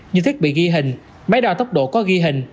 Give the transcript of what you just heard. như thiết bị ghi hình máy đo tốc độ có ghi hình